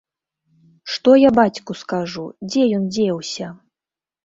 Што я бацьку скажу, дзе ён дзеўся?